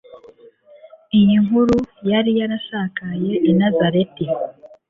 Iyi nkuru yari yarasakaye i Nazareti,